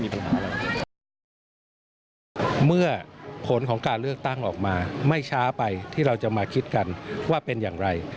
เมื่อผลของการเลือกตั้งออกมาไม่ช้าไปที่เราจะมาคิดกันว่าเป็นอย่างไร